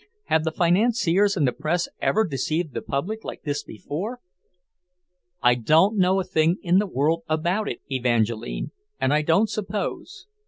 Have the financiers and the press ever deceived the public like this before?" "I don't know a thing in the world about it, Evangeline, and I don't suppose.